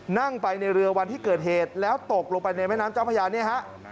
นั่งไปในเรือวันที่เกิดเหตุแล้วตกลงไปในแม่น้ำเจ้าพญาเนี่ยฮะ